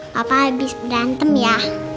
papa abis berantem ya